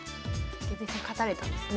デビュー戦勝たれたんですね。